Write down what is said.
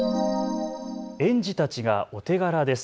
園児たちがお手柄です。